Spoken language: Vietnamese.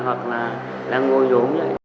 hoặc là ngồi giống